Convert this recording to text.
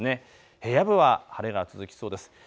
平野部は晴れが続きそうです。